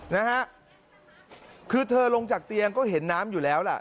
นะฮะคือเธอลงจากเตียงก็เห็นน้ำอยู่แล้วล่ะ